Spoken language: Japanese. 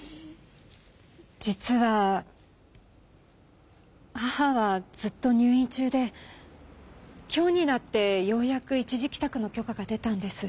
実は母はずっと入院ちゅうで今日になってようやく一時きたくの許可が出たんです。